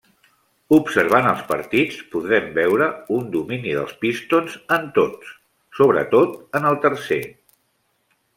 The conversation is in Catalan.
Observant els partits, podrem veure un domini dels Pistons en tots, sobretot en el tercer.